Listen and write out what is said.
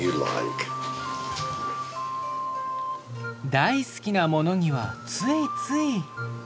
大好きなものにはついつい。